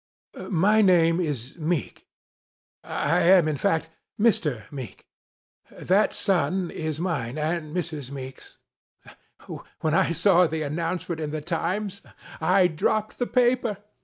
MY name is Meek. I am, in fact, Mr. Meek. That son is mine and Mrs. Meek's. "When I saw the announcement in the Times, I dropped the paper.